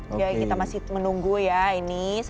oke kita masih menunggu ya mas ya